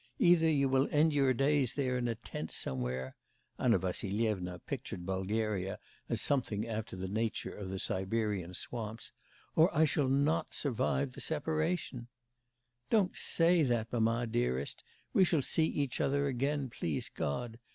Either you will end your days there in a tent somewhere' Anna Vassilyevna pictured Bulgaria as something after the nature of the Siberian swamps, 'or I shall not survive the separation ' 'Don't say that, mamma dearest, we shall see each other again, please God.